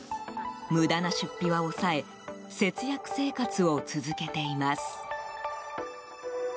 無駄な出費は抑え節約生活を続けています。